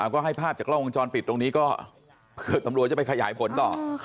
ก็ให้ภาพจากกล้องวงจรปิดตรงนี้ก็เผื่อตำรวจจะไปขยายผลต่อ